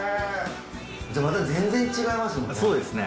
また全然違いますもんね。